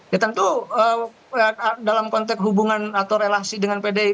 ya tentu dalam konteks hubungan atau relasi dengan pdip